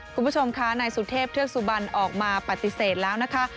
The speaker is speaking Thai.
คุณผู้ชมค่ะนายสุเทพเทือกสุบันออกมาปฏิเสธแล้วนะคะ